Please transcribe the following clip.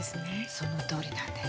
そのとおりなんです。